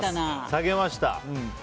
下げました。